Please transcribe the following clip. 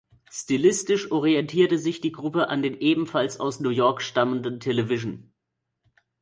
Stilistisch orientierte sich die Gruppe an den ebenfalls aus New York stammenden Television.